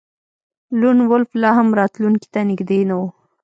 لون وولف لاهم راتلونکي ته نږدې نه و